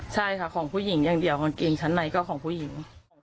ใช่ค่ะของผู้หญิงอย่างเดียวกางเกงชั้นในก็ของผู้หญิง